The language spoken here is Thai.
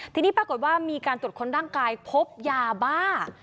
ทีนี้ปรากฏว่ามีการตรวจค้นร่างกายพบยาบ้า